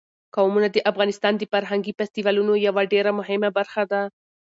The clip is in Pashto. قومونه د افغانستان د فرهنګي فستیوالونو یوه ډېره مهمه برخه ده.